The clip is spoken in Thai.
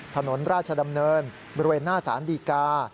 ถนนราชดำเนินบริเวณหน้าสารดีกา